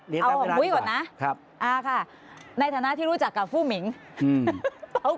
เอาของมุ้ยก่อนนะในฐานะที่รู้จักกับฟู้หมิงเป็นโทษ